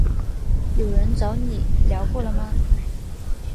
有人找你聊过了吗？